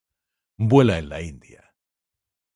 Vuela en la India.